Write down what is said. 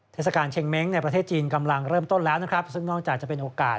เทศกาลเชงเม้งในประเทศจีนกำลังเริ่มต้นแล้วนะครับซึ่งนอกจากจะเป็นโอกาส